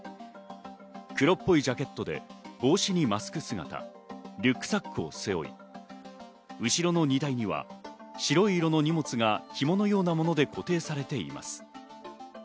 黒っぽいジャケットで帽子にマスク姿、リュックサックを背負い後ろの荷台には白い色の荷物がひものようなもので固定されています。